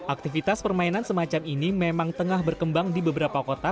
aktivitas permainan semacam ini memang tengah berkembang di beberapa kota